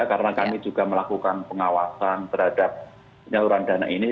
karena kami juga melakukan pengawasan terhadap penyeluruhan dana ini